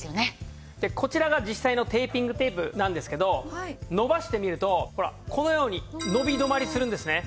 こちらが実際のテーピングテープなんですけど伸ばしてみるとほらこのように伸び止まりするんですね。